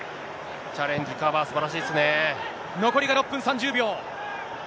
チャレンジ、カバー、すばら残りが６分３０秒。